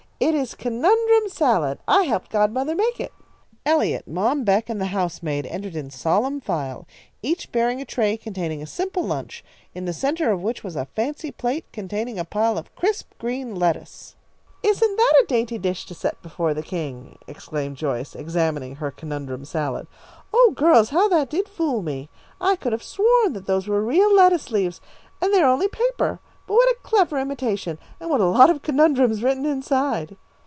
"It is conundrum salad. I helped godmother make it." Eliot, Mom Beck, and the housemaid entered in solemn file, each bearing a tray containing a simple lunch, in the centre of which was a fancy plate containing a pile of crisp green lettuce. "Isn't that a dainty dish to set before the king!" exclaimed Joyce, examining her conundrum salad. "Oh, girls, how that did fool me. I could have sworn that those were real lettuce leaves, and they are only paper. But what a clever imitation, and what a lot of conundrums written inside!"